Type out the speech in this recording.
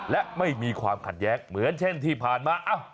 และไม่มีความขัดแย้งเหมือนเช่นที่ผ่านมา